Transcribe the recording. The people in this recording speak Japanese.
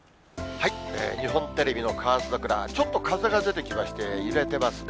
日本テレビのカワヅザクラがちょっと風が出てきまして、揺れてますね。